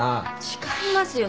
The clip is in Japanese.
違いますよ。